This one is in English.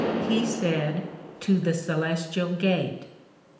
He said, To the Coelestial Gate.